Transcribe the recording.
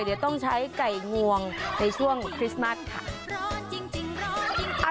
เดี๋ยวต้องใช้ไก่งวงในช่วงคริสต์มัสค่ะ